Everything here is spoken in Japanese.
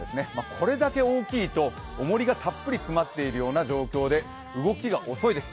これだけ大きいと、おもりがたっぷり詰まっているような状況で、動きが遅いです。